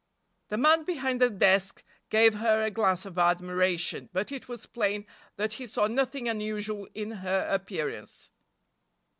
The man behind the desk gave her a glance of admiration, but it was plain that he saw nothing unusual in her appearance.